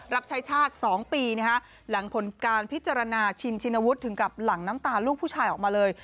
รับใช้ชาติ๒ปีหลังผลการพิจารณาชินชินวุฒิถึงกับหลังน้ำตาลูกผู้ชายออกมาเลย